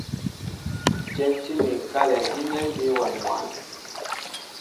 Tyɛntí mi kálɛ gínɛ́ mbí awɛm mwǎn.